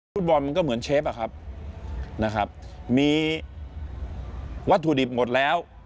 มันก็เหมือนเชฟอะครับนะครับมีวัตถุดิบหมดแล้ว